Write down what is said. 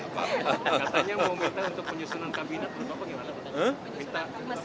katanya mau minta untuk penyusunan kabinet